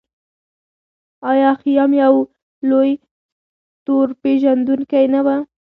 آیا خیام یو لوی ستورپیژندونکی نه و؟